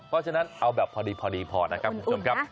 เพราะฉะนั้นเอาแบบพอดีพอนะครับ